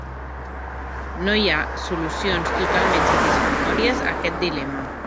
No hi ha solucions totalment satisfactòries a aquest dilema.